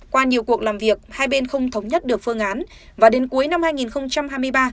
qua nhiều cuộc làm việc hai bên không thống nhất được phương án và đến cuối năm hai nghìn hai mươi ba